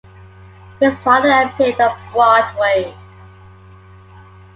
His father appeared on Broadway.